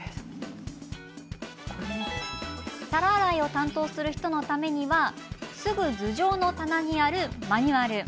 皿洗いを担当する人のためにはすぐ頭上の棚にマニュアル。